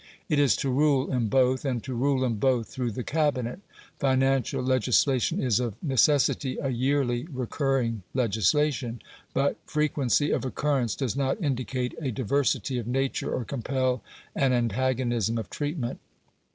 It is to rule in both, and to rule in both through the Cabinet. Financial legislation is of necessity a yearly recurring legislation; but frequency of occurrence does not indicate a diversity of nature or compel an antagonism of treatment.